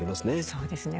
そうですね。